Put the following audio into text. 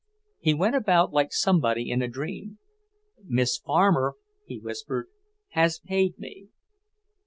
He went about like somebody in a dream. "Miss Farmer," he whispered, "has paid me."